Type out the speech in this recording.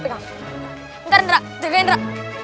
bentar indra jaga indra